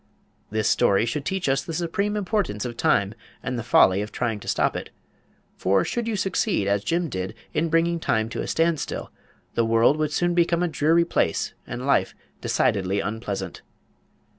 This story should teach us the supreme importance of Time and the folly of trying to stop it. For should you succeed, as Jim did, in bringing Time to a standstill, the world would soon become a dreary place and life decidedly unpleasant.